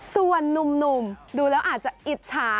ส่วนนุ่มดูแล้วอาจจะอิจฉา